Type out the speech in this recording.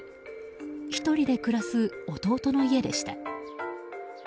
１人で暮らす弟の家でした。